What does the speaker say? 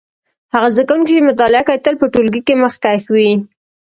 هغه زده کوونکی چې مطالعه کوي تل په ټولګي کې مخکښ وي.